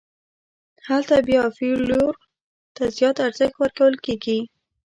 هلته بیا فلېور ته زیات ارزښت ورکول کېږي.